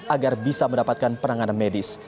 agar bisa mendapatkan penanganan medis